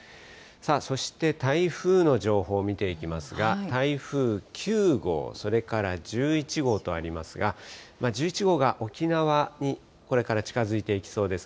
そして台風の情報を見ていきますが、台風９号、それから１１号とありますが、１１号が沖縄にこれから近づいていきそうです。